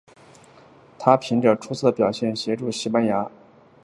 他凭着出色表现协助西班牙在巴塞隆拿的决赛中击败波兰夺得金牌。